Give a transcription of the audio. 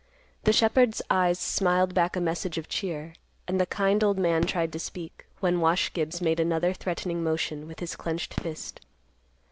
The shepherd's eyes smiled back a message of cheer, and the kind old man tried to speak, when Wash Gibbs made another threatening motion, with his clenched fist.